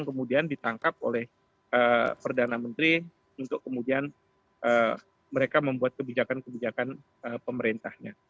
kemudian ditangkap oleh perdana menteri untuk kemudian mereka membuat kebijakan kebijakan pemerintahnya